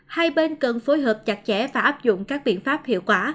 hai bên cần phối hợp chặt chẽ và áp dụng các biện pháp hiệu quả